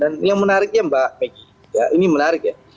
dan yang menariknya mbak meggy ini menarik ya